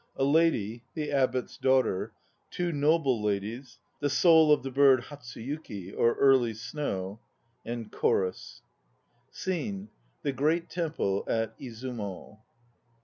A LADY, the Abbot's daughter. TWO NOBLE LADIES. THE SOUL OF THE BIRD HATSUYUKI ("Early Snow' 9 ). CHORUS. SCENE: The Great Temple at Izumo.